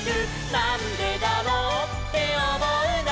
「なんでだろうっておもうなら」